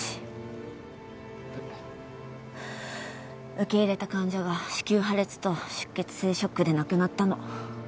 受け入れた患者が子宮破裂と出血性ショックで亡くなったの。